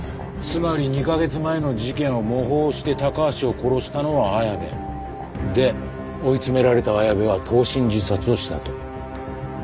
つまり２カ月前の事件を模倣して高橋を殺したのは綾部。で追い詰められた綾部は投身自殺をしたと。